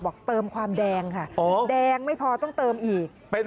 เติมความแดงค่ะแดงไม่พอต้องเติมอีกเป็น